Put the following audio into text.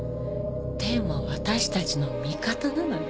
天は私たちの味方なのよ。